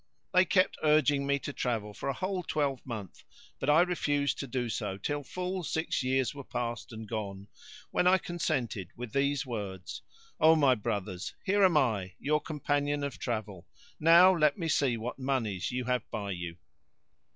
They kept urging me to travel for a whole twelvemonth, but I refused to do so till full six years were past and gone when I consented with these words, "O my brothers, here am I, your companion of travel: now let me see what monies you have by you."